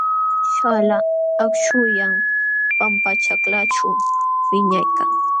Śhalyaq akśhullam pampaćhaklaaćhu wiñaykan.